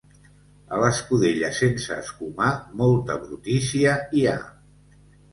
A l'escudella sense escumar molta brutícia hi ha.